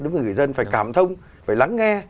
đối với người dân phải cảm thông phải lắng nghe